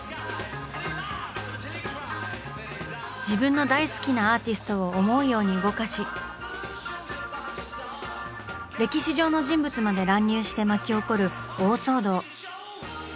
自分の大好きなアーティストを思うように動かし歴史上の人物まで乱入して巻き起こる大騒動。